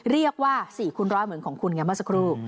เรียกว่า๔คูณร้อยเหมือนของคุณไงเมื่อสักครู่